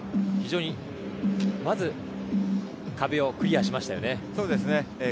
非常に、まず壁をクリアしましたね。